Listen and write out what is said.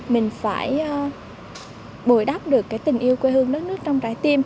mình phải bồi đắp được cái tình yêu quê hương đất nước trong trái tim